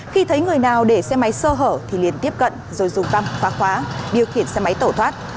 khi thấy người nào để xe máy sơ hở thì liền tiếp cận rồi dùng văn phá khóa điều khiển xe máy tẩu thoát